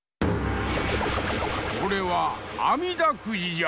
これは「あみだくじ」じゃ！